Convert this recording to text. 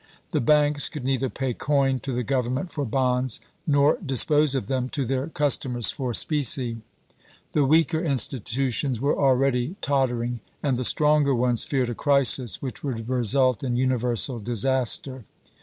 The banks could neither pay coin to the Grovernment for bonds, nor dispose of them to their customers for specie. The weaker institutions were already tot tering, and the stronger ones feared a crisis which would result in universal disaster.